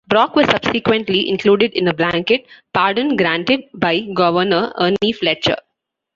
Brock was subsequently included in a blanket pardon granted by Governor Ernie Fletcher.